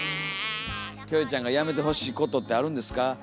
キョエちゃんがやめてほしいことってあるんですか？